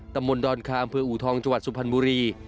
ตำรวจดอนคามเพื่ออูทองจวัตรสุพรรณบุรี